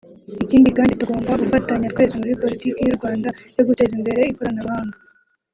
ikindi kandi tugomba gufatanya twese muri politiki y’u Rwanda yo guteza imbere ikoranabuhanga